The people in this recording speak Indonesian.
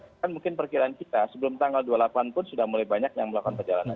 dan mungkin perkiraan kita sebelum tanggal dua puluh delapan pun sudah mulai banyak yang melakukan perjalanan